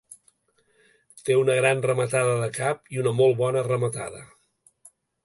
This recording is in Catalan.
Té una gran rematada de cap i una molt bona rematada.